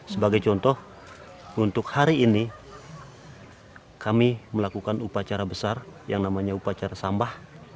sebagai contoh untuk hari ini kami melakukan upacara besar yang namanya upacara sambah